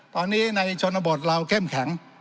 ตอนนี้ในชนบทเราเข้มแข็ง